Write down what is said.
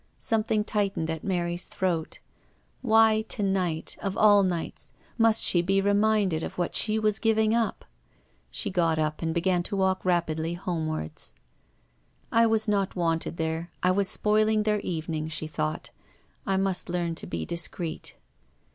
Something tightened at Mary's throat. Why, to night of all nights, must she be reminded of what she was giving up ? She got up and began to walk rapidly homeward. " I was not wanted there ; I was spoiling THE WOMAN IN THE GLASS. 311 their evening," she thought. " I must learn to be discreet."